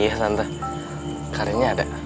iya tante karinnya ada